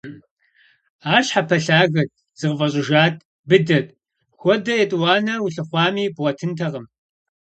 Ар щхьэпэлъагэт, зыкъыфӀэщӀыжат, быдэт, хуэдэ етӀуанэ улъыхъуэми бгъуэтынтэкъым.